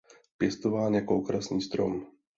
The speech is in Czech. Pěstován jako okrasný strom.